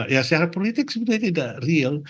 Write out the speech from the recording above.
ya secara politik sebenarnya tidak real